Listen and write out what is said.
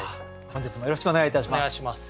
本日もよろしくお願いいたします。